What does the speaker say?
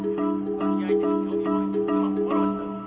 浮気相手が興味本位で妻をフォローしたんです。